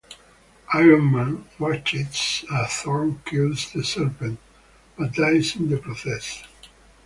Iron Man watches as Thor kills the Serpent, but dies in the process.